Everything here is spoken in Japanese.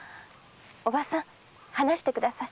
おばさん話してください。